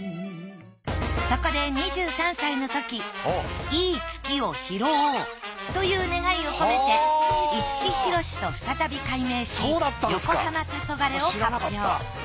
そこで２３歳のとき「いいツキをひろおう」という願いを込めて五木ひろしと再び改名し『よこはま・たそがれ』を発表。